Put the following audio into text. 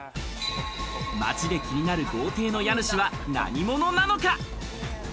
街で気になる豪邸の家主は何者なのか。